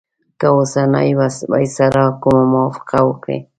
که اوسنی وایسرا کومه موافقه وکړي.